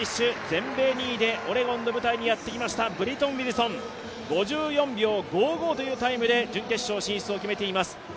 全米２位でオレゴンの舞台にやってきましたブリトン・ウィルソン、５４秒５５というタイムで準決勝進出を決めています。